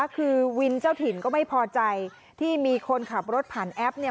คือวินเจ้าถิ่นก็ไม่พอใจที่มีคนขับรถผ่านแอปเนี่ย